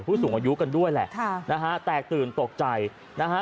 ผู้สูงอายุกันด้วยแหละค่ะนะฮะแตกตื่นตกใจนะฮะ